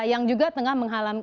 yang juga tengah menghalang